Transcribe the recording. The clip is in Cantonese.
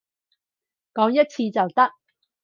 講一次就得